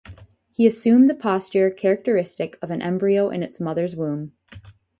He assumed the posture characteristic of an embryo in its mother's womb.